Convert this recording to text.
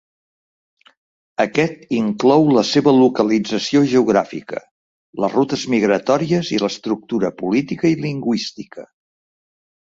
Aquest inclou la seva localització geogràfica, les rutes migratòries i l'estructura política i lingüística.